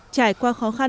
trải qua khó khăn